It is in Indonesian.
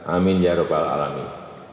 amin ya rabbal alamin